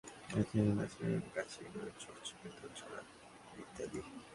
পাখিটির নাম লাল কাঁচিচোরা, কালো কাঁচিচোরা, লালচোরা, কাচিখোঁচা, চকচকে দো-চরা ইত্যাদি।